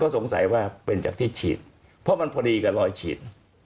สงสัยว่าเป็นจากที่ฉีดเพราะมันพอดีกับรอยฉีด